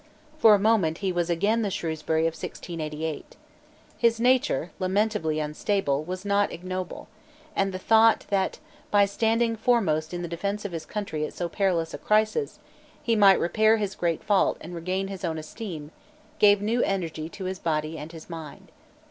For a moment he was again the Shrewsbury of 1688. His nature, lamentably unstable, was not ignoble; and the thought, that, by standing foremost in the defence of his country at so perilous a crisis, he might repair his great fault and regain his own esteem, gave new energy to his body and his mind.